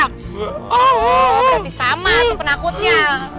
berarti sama tuh penakutnya